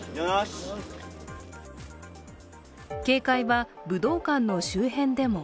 警戒は武道館の周辺でも。